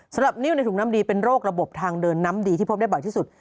สำหรับนิ้วในถุงน้ำดีเป็นโรคระบบทางเดินน้ำดีที่พบได้บ่อยที่สุด